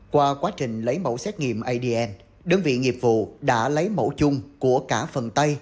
qua quá trình lấy mẫu xét nghiệm adn đơn vị nghiệp vụ đã lấy mẫu chung của cả phần tay